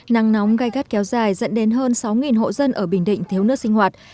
nắng nóng gai gắt kéo dài dẫn đến hơn sáu hộ dân ở bình định thiếu nước sinh hoạt